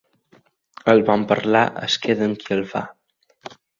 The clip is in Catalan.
El bon parlar es queda amb qui el fa.